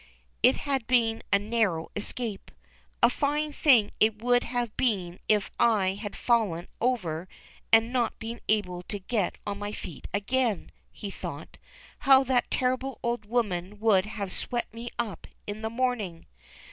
It had been a narrow escape. " A fine thing it would have been if I had fallen over and not been able to get on my feet again,'' he thought. " How that terrible old woman would have swept me up in the morning